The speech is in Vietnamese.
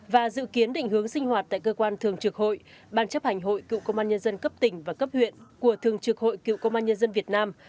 và dự kiến định hướng sinh hoạt tại cơ quan thường trực hội ban chấp hành hội cựu công an nhân dân cấp tỉnh và cấp huyện của thường trực hội cựu công an nhân dân việt nam